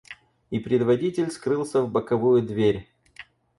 И предводитель скрылся в боковую дверь.